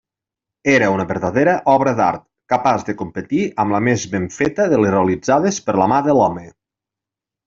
Era una verdadera obra d'art, capaç de competir amb la més ben feta de les realitzades per la mà de l'home.